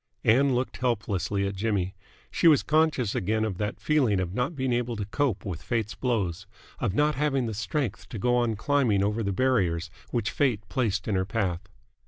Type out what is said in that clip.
Ann looked helplessly at Jimmy. She was conscious again of that feeling of not being able to cope with Fate's blows, of not having the strength to go on climbing over the barriers which Fate placed in her path.